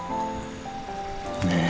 ねえ。